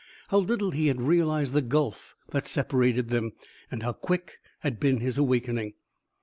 How little he had realized the gulf that separated them, and how quick had been his awakening!